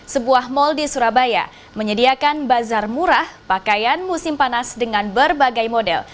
sebuah mal di surabaya menyediakan bazar murah pakaian musim panas dengan berbagai model